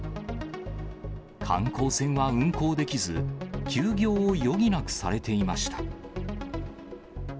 観光船は運航できず、休業を余儀なくされていました。